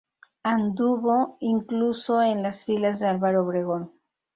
Anduvo, incluso en las filas de Álvaro Obregón.